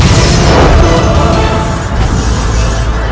mungkin sudah sempat rezeki